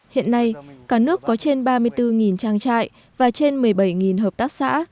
hiện nay cả nước có trên ba mươi bốn trang trại và trên một mươi bảy hợp tác xã